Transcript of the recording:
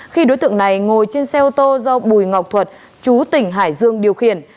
khi đối tượng này ngồi trên xe ô tô do bùi ngọc thuật chú tỉnh hải dương điều khiển